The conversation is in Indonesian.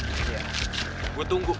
iya gue tunggu